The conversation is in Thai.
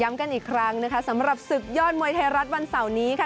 กันอีกครั้งนะคะสำหรับศึกยอดมวยไทยรัฐวันเสาร์นี้ค่ะ